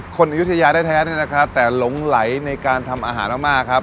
อายุทยาแท้นี่นะครับแต่หลงไหลในการทำอาหารมากครับ